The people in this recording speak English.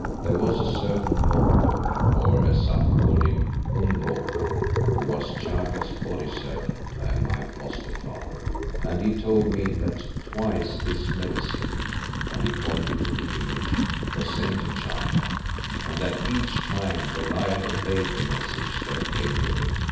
There was a certain Mopo, or as some called him, Umbopo, who was Chaka's body servant and my foster father, and he told me that twice this Medicine," and he pointed to the image, "was sent to Chaka, and that each time the Lion obeyed the message that came with it.